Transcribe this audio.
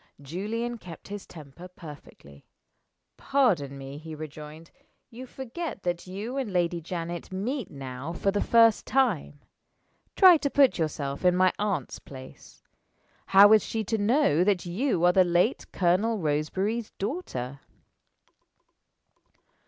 Julian kept his temper perfectly. "Pardon me," he rejoined, "you forget that you and Lady Janet meet now for the first time. Try to put yourself in my aunt's place. How is she to know that you are the late Colonel Roseberry's daughter?"